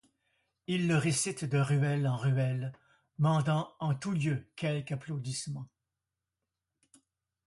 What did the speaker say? Il le récite de ruelle en ruelle, mandant en tous lieux quelque applaudissement.